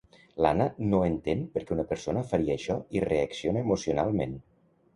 L'Anna no entén perquè una persona faria això i reacciona emocionalment.